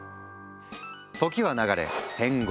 時は流れ戦後。